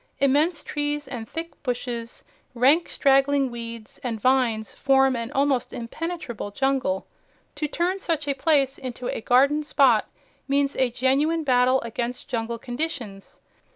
Immense trees and thick bushes, rank straggling weeds and vines form an almost impenetrable jungle. To turn such a place into a garden spot means a genuine battle against jungle conditions.